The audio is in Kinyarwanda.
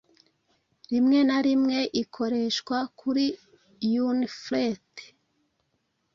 Rimwe na rimwe ikoreshwa kuri Unferth